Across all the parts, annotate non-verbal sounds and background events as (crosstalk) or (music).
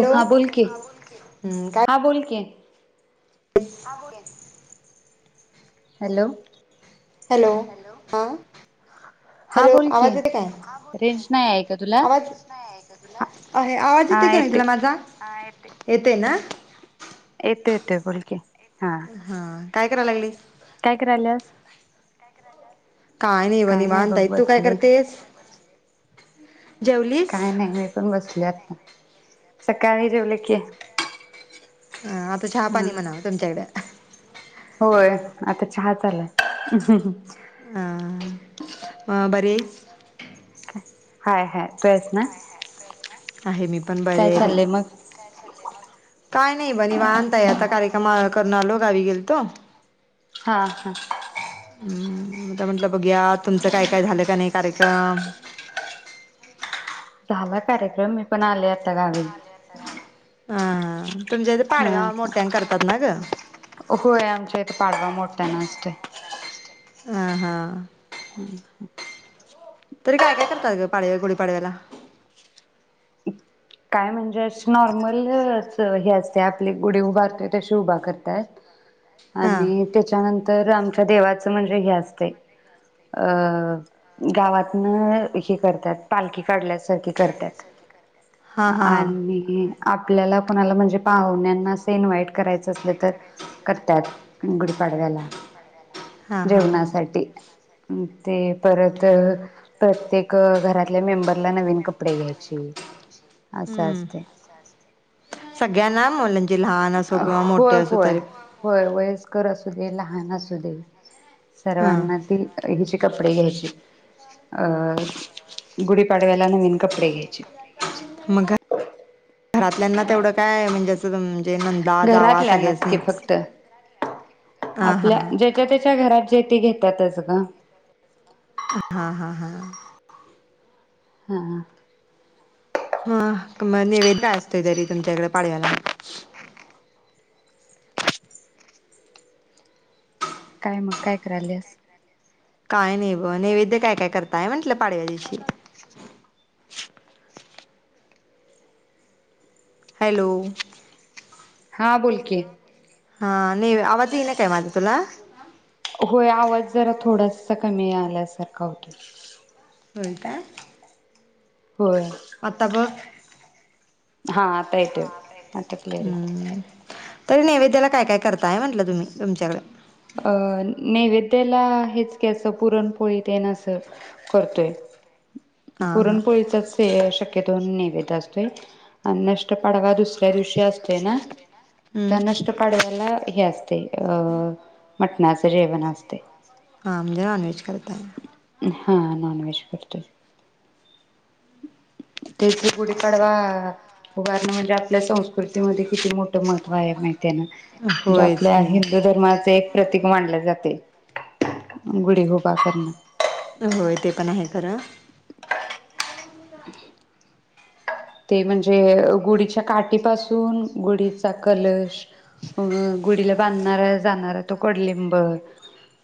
Hello हा बोल की, हम्म, काय हा बोल की (inaudible) हॅलो हॅलो हा हा हॅलो बोल की आवाज येते काय रेंज नाही आहे का तुला? आवाज हा (inaudible) आहे आवाज हा इथे का नाय येते तुला माझा? येतय ना? येत येत बोलकी. हा काय कराय लागली? काय करायल्यास? काय नाही ब निवांत आहे तू काय करतेस? ह काय नाही मी पण बसलेत. सकाळी जेवले की. हा आता चहापाणी हा म्हणाव तुमच्याकड होय आता चहा चालाय. ह बरी ये. हाय हाय तू येस ना? आहे मी पण बरे काय आहे बाई. चाललंय मग काय नाही बघ निवांत या आता कार्यक्रम करून आलतो गावी गेलतो. हा हा. एकदा म्हंटलं बघूया तुमचं काय काय झालं का नाही कार्यक्रम. झाला कार्यक्रम मी पण आले आता गावी. ह हम होय आमच्या इथ पाडवा मोठ्या न असतोय. हह हा हम्, हं तरी काय काय करतात ग पाडव्या गुढीपाडव्याला काय म्हणजे नॉर्मल हे असते आपले गुढी उभारतो तशी उभा करतात. हा आणि त्याच्यानं तर आमच्या देवाचं म्हणजे हे असत अं गावातन हे करतात पालखी काढल्यासारखी करत्यात. हा हा आणि आप आपल्याला कोणाला म्हणजे पाहुण्यांना असे इनवाईट करायच असल तर करतात. गुढी पाडव्याला हा हा जेवणासाठी ते परत प्रत्येक अ् घरातल्या मेंबरला नवीन कपडे घ्यायची. असं हम्म असते. सगळ्यांना मुलं जे म्हणजे लहान असो किंवा मोठे असो तरी पण कर असू दे लहान असू दे हा सर्वांना ती हेची कपडे घ्यायचीत अ गुढीपाडव्याला नवीन कपडे घ्यायचीत. म् घरा् घरातल्यांना तेवढं काय म्हणजे असं जम् घरातल्यांनाच की फक्त हा हा आपल्या ज्येच्या त्याच्या घरात शेती घेतातच गं. हं हं हं हां ह ह मग नैवेद्य काय असतोय तरी तुमच्याकडे पाडव्याला. काय मग काय करायलीयास? काय नाही बग नैवेद्य काय काय करताय म्हटलं पाडव्या दिवशी हॅलो हां बोल की हा नाहीे आवाज येई ना काय माझा तुला? होय आवाज जरा थोडासा कमी आल्यासारखा होतोय. होय काय? होय आता बग हा आता येतय बग क्लिअर येतय. हम्म तरी नैवेद्याला काय काय करताय म्हटलं तुम्ही तुमच्याकडे अ नैवे त्याला हेच की अस पुरणपोळी तेन अस करतोय. हां हां पुरणपोळीचच हे शक्य् हे दोन नैवेद्य असतोय आणि नष्ट पडवा दुसऱ्या दिवशी असतोय ना हम्म त्या नष्ट पाडव्याला हे असतंय अ् हा म्हणजे नॉनव्हेज करताय. हां नॉनव्हेज करतोय. तेची गुडी पाडवा आ् उभारण म्हणजे आप् आपल्या संस्कृतीमध्ये किती मोठ महत्त्व आहे ते माहिती आहे ना म्हणजे होय आपल्या की हिंदू धर्माचे एक प्रतिक मांडले जाते गुढी उभा करणं. होय ते पण आहे खरं. (inaudible) ते म्हणजे गुढीच्या काठीपासून गुढीचा कलश गुढीला बांधणारा जाणारा तो कडूलिंब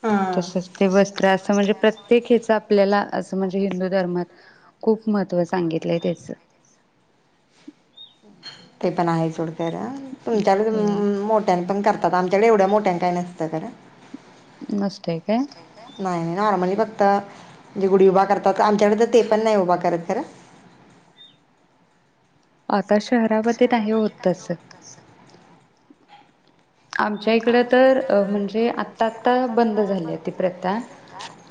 हां तसच ते वस्त्र असं म्हणजे प्रत्येक याच आपल्याला असं म्हणजे हिंदू धर्मात खूप महत्त्व सांगितलंय त्याच. ते पण आहे सोड. खरं तुमच्यात मोठ्यानी पण करतात. आमच्याकडे एवढ्या मोठ्यांन काय नसतं खर. नसतय काय? नाही नाही नॉर्मली फक्त जे गुडी उभा करतात. आमच्याकडे तर ते पण नाही उभा करत खरं, आता शहरामध्ये नाही होत तस, आमच्या इकड तर अ म्हणजे आता आता बंद झाली ती प्रथा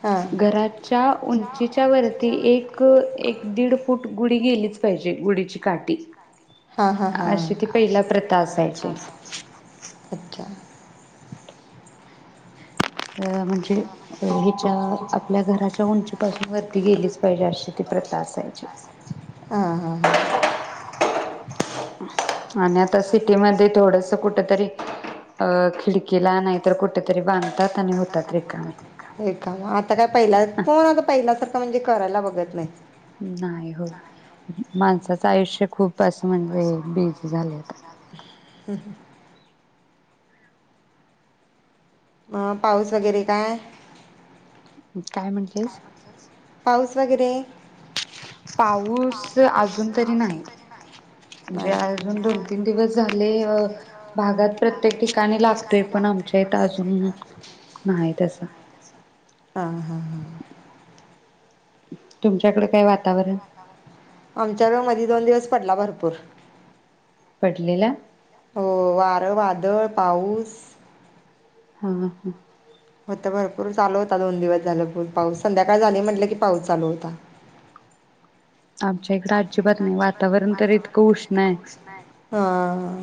हां घराच्या उंचीच्या वरती एक एक दीड फूट गुढी गेलीच पाहिजे गुढीची काठी हां हां अशी ती हां पहिला प्रथा (unintelligible) अच्छा अ म्हणजे हिच्या आपल्या घराच्या उंची पाासून वरती गेलीच पाहिजे अशी ती प्रथा असायची. हां हां हां आणि आता सिटीमध्ये थोडस कुठेतरी अ खिडकीला नाहीतर कुठेतरी बांधतात आणि होतात रिकामे होय, का आता काय पहिला कोण आता पहिल्यासारखं म्हणजे करायला बघ. बगत नाही. नाही, होय माणसाचं आयुष्य खूप असं म्हणजे बिझी झाले आता. (inaudible) म पाऊस वगैरे काय? काय म्हटलीस, पाऊस वगैरे पाऊस अजून तरी नाही म्हणजे, नाही अजून दोन तीन दिवस झाले भागात प्रत्येक ठिकाणी लागतोय, पण आमच्या इथ अजून नाही तसं, हां हां हां. तुमच्याकडे, काय वातावरण आमच्याकड मधी दोन दिवस पडला भरपूर, पडलेला. वार, वादळ, पाऊस, हा हा आत भरपूर चालू होता दोन दिवस झालं पाऊस संध्याकाळ झाली म्हटलं कि पाऊस चालू होता इकडे आमच्या अजिबात इथ आजिबात नाही वातावरण तर इतकं वातावरण तर इतक उष्ण आहे. हा हा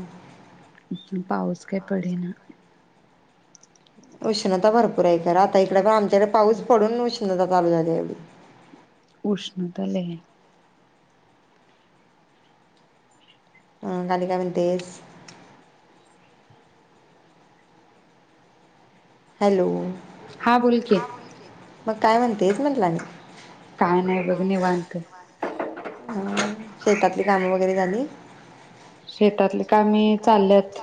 आणि पाऊस काय पडेना. उष्णता भरपूर आहे कर आता इकडे पण पाऊस पडून उष्णता चालू झालीया येवडी. उष्णता लय आहे. मग आणि काय म्हणतेस. हॅलो हा बोल की मग काय म्हणतेस म्हटलं आणि काय नाही बघ (unintelligible) हा शेतातली कामं वगैरे झाली. शेतातले कामे चाल्यात.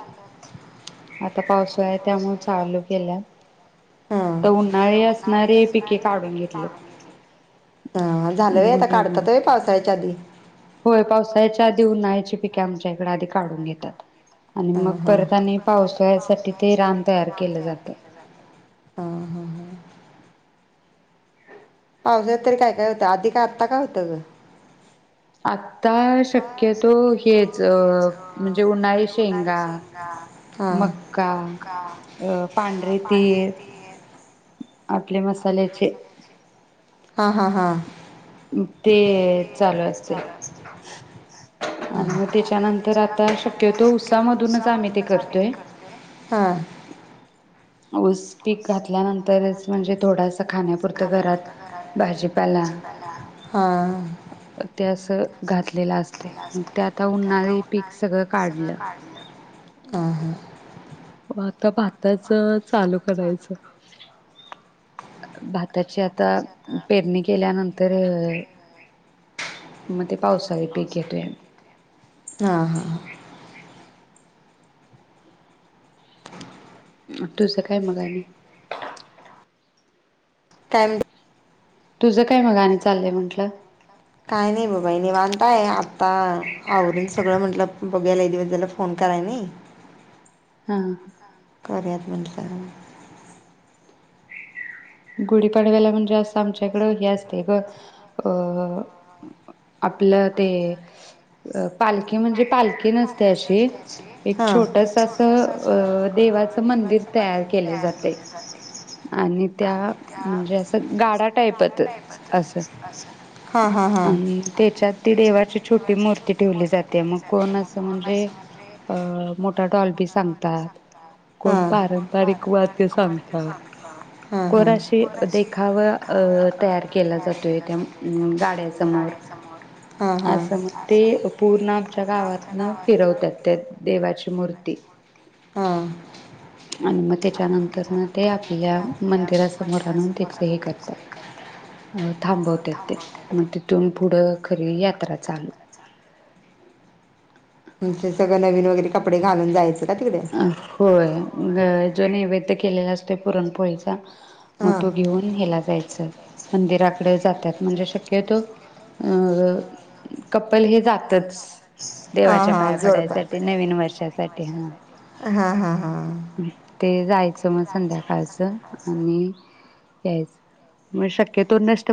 आता पावसाळा आहे त्यामुळे चालू केल्यात. हा तर आता उन्हाळी असणारी असणारी काढून पिके घेतली काडून घेतलीत. हा झालं आता भुईमूग काढतात ते पावसाळ्याच्या आधी. होय पावसाच्या आधी, उन्हाळ्याची पिक आमच्या इकडे आधी काढून घेतात आणि हा मग हा ते आणि परत आणि पावसाळ्यासाठी पावसाळ्या ते रान साठी रान केलं तयार जातं. केलं जातय पावसाळ्यात तरी काय काय होतं आधी काय आत्ता काय होतं ग आता शक्यतो हेच म्हणजे उन्हाळी जे उन्हाळी शेंगा शेंगा, मक्का. अ पांढर तेर आपल्या मसाल्याचे हा हा हा ते चाल असते आणि मग त्याच्यानंतर आता शक्यतो उत्सामधूनच आम्ही ते करतोय. ऊस पीक घातल्यानंतरच म्हणजे थोडासा खाण्यापुरतं घरात भाजीपाला हां ते असं घातलेलं असते मग ते आता उन्हाळी पीक सगळं काढलं हां हां मग आता भाताच चालू करायच भाताची आता पेरणी केल्यानंतर मग ते पावसाळी पीक घेतोय आमी हा हा (inaudible) तुझं काय? मग आणि (unintelligible) तुझं काय? मग आणि चाललंय म्हंटलं? काय नाही बघ बाई निवांत आहे आता आवरून सगळं म्हंटलं बघूया लई दिवस झाले फोन कराय नाही हा करुयात म्हटलं गुढीपाडव्याला म्हणजे असं आमच्याकडं हे असते ग अ आपलं ते पालखी म्हणजे नसते पालखी अशी रस्त्याची एक असं छोटस अ देवाचं देवाच मंदिर केलं तयार जाते केले जाते आणि त्या म्हणजे अस गाडा टाईपच अस हां हां हां आणि त्याच्यात ती देवाची छोटी मूर्ती ठेवली जाते मग कूट म्हणजे अ मोठा डाॅल्बी सांगतात कोण हां पारंपारिक वाद्य सांगतात. ह् ह कोराशी वर अशी एक अ देखावा तयार जातोय केला त्या अं, गाड्यासमोर जातो न फिरवतात त्या देवाची मूर्ती हां आणि मग त्याच्यानंतर न ते आपल्या मंदिरामोर आणून त्या हे करत थांबत ते मग तिथून पुढ खरी यात्रा चालू तुम सगं नवीन वगैरे कपडे घालून जायच. अ होय जो नैवेद्य केलेला असतोय पुरणपोळीचा मग हां तो घेऊन हेला जायच मंदिरात जात्यात म्हणजे शक्यतो कपल हे जातच हां देवाच्या पाया हां जोडप पडायसाठी नवीन वर्षासाठी ते ते ह हां हां हां (unintelligible) ते जायचं मग संध्याकाळचं आणि यायच म शक्यतो नस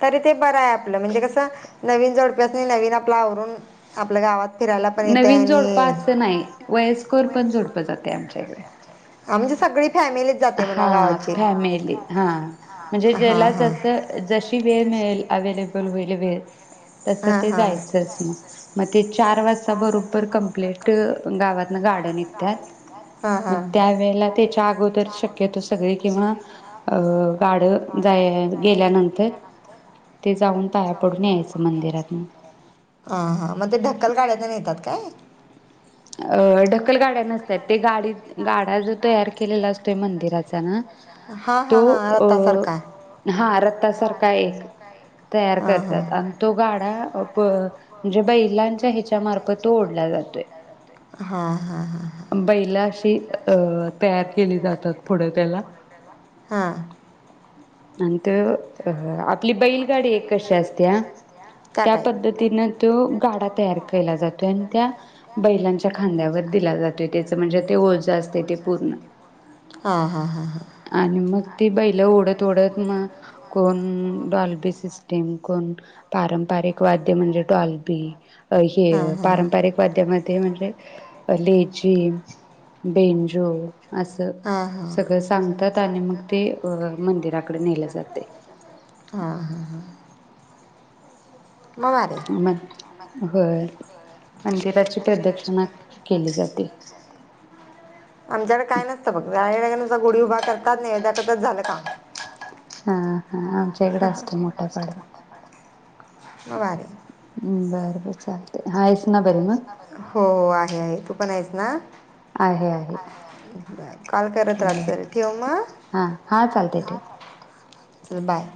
तरी ते बरं आहे आपलं म्हणजे कसं नवीन जोडप्यासनी नवीन आपलं आवरून आपल्या गावात फिरायला पण येते नवीन जोडप आणि असं नाही वयस्कर पण जोडप जातय आमच्यात. (unintelligible) आमचे सगळी फॅमिलीच जाते हा म्हणा गावाची हा फॅमिली ह म्हणजे हा हां ज्याला हां जस ज्याला जशी जसं वेळ मिळेल, अवेलेबल अवेलेबल वेळ तस हा ते हा जायचचं मग मग ते चार वाजता बरोबर कंप्लीट गावातन गाड्या निघत्यात हा मग हा त्यावेळेला त्याच्या अगोदर नाहीतर सगळे केव्हा अ गाडं जाय गेल्यानंतर ते जाऊन पाया पडून यायचं मंदिरातन हा हा मग ते ढक्कल गाड्याचा (unintelligible) काय अ, ढकल गाड्या नसत्यात ते गाडीत गाडा जो तयार केलेला असतोय मंदिराचा ना हा हा तो हा अ रथासारखा हा रथासारखा एक हा हा आणि तयार करतात आणि तो गाडा म्हणजे बैलांच्या हेच्यामार्फत तो ओढला जातोय. हा बैलं अशी अ तयार. केली जातात पुढं त्याला हा आणि ते आपली बैलगाडी एक कशी असत्या त्या पद्धतीन तो गाडा तयार केला जातो आणि त्या बैलांच्या खांद्यावर दिला जातो त्याच म्हणजे ते ओझं असते ते पूर्ण हां हां हां हां हां आणि मग ती बैल ओढत थोड मग कोण डॉल्बी सिस्टम, कोण पारंपारिक वाद्य म्हणजे डॉल्बी अ हे त्यात हां अ, पारंपारिक वाद्यामध्ये म्हणजे पाय येणारे अ, लेझीम, वेलची बेंजो असं हां हां सगळं सांगतात आणि मग ते अ मंदिराकडे नेलं जाते हा हा हा हा मग होय मंदिराची प्रदक्षिणा केली जाते आमच्याकडे काय नसत बघ गुढी उभा करतात नैवेद्य दाखवायचा झालं काम हा हा आमच्या इकडे असतो मोठा पाडवा मग भारी नाही, हम्म बर लई तुमच्या चालतय हा आमच्याकडे हो आहे आहे तू पण आहेस ना आहे आहे बर कॉल करत राहात चल बरं ठेव मग? हां हां चालतंय ठेव चल बाय.